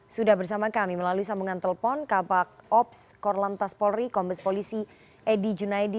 sudah bersama kami melalui sambungan telepon kabak ops korlantas polri kombes polisi edy junaidi